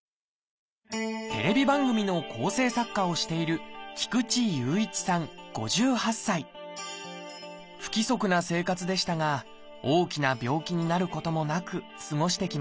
テレビ番組の構成作家をしている不規則な生活でしたが大きな病気になることもなく過ごしてきました。